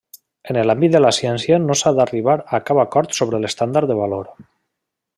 En l’àmbit de la ciència no s’ha d’arribar a cap acord sobre l’estàndard de valor.